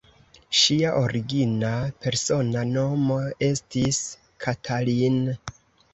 Ŝia origina persona nomo estis "Katalin".